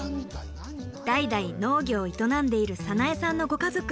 代々農業を営んでいる早苗さんのご家族。